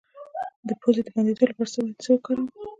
د پوزې د بندیدو لپاره باید څه وکاروم؟